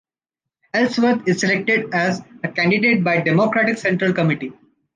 Ellsworth is selected as a candidate by the Democratic Central Committee.